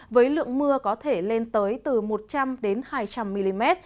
với lượng mưa có thể lên tới từ một trăm linh hai trăm linh mm